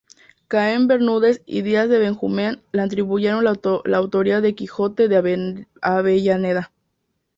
Ceán Bermúdez y Díaz de Benjumea le atribuyeron la autoría del Quijote de Avellaneda.